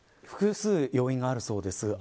複数要因があるようです。